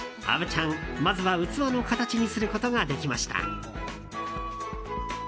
虻ちゃん、まずは器の形にすることができました。